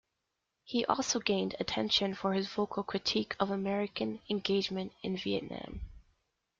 He also gained attention for his vocal critique of American engagement in Vietnam.